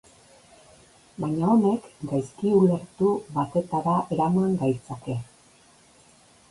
Baina honek gaizki-ulertu batetara eraman gaitzake.